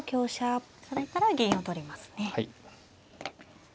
それから銀を取りますね。